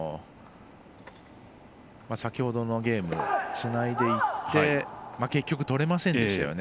先ほどのゲームつないでいって結局取れませんでしたよね。